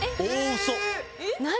何？